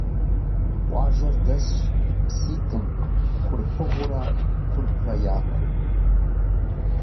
Къуажэр дэсащ пситӀым – Курпыгъурэ Курпрэ – я кум.